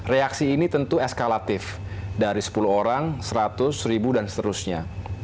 reaksi ini tentu eskalatif dari sepuluh orang seratus ribu dan seterusnya